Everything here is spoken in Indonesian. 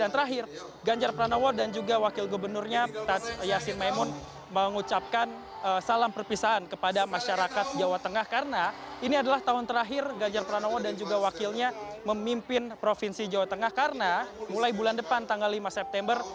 terakhir ganjar pranowo dan juga wakil gubernurnya tas yasin maimun mengucapkan salam perpisahan kepada masyarakat jawa tengah karena ini adalah tahun terakhir ganjar pranowo dan juga wakilnya memimpin provinsi jawa tengah karena mulai bulan depan tanggal lima september